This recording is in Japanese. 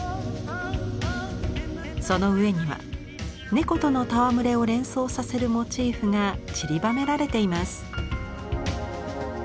その上には猫との戯れを連想させるモチーフがちりばめられています。